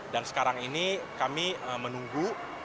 dan sekarang ini kami menunggu